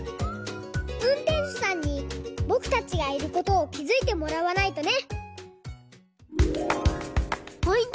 うんてんしゅさんにぼくたちがいることをきづいてもらわないとね！